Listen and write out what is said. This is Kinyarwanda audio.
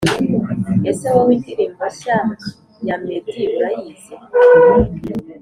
Ese wowe indirimbo nshya yam eddy urayizi